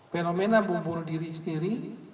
fenomena bumbu diri sendiri